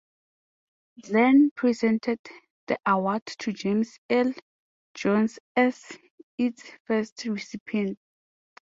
Glenn presented the award to James Earl Jones as its first recipient.